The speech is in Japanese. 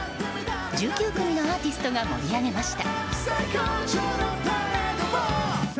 １９組のアーティストが盛り上げました。